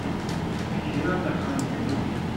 Tekra taxxamt-nni.